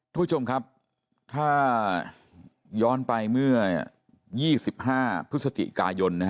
ท่านผู้ชมครับถ้าย้อนไปเมื่อ๒๕พฤศจิกายน